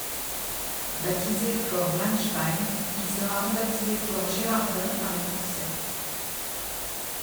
Baptisé fort Manstein, il sera rebaptisé fort Girardin par les Français.